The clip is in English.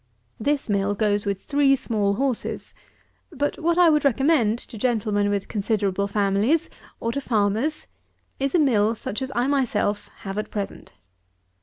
This mill goes with three small horses; but what I would recommend to gentlemen with considerable families, or to farmers, is a mill such as I myself have at present.